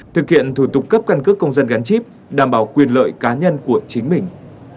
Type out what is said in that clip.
thực hiện thủ tục cấp căn cước công dân gắn chip đảm bảo quyền lợi cá nhân của chính mình